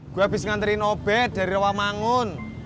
gue abis nganterin obet dari rawak manggun